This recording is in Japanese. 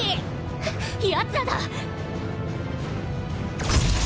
やつらだ！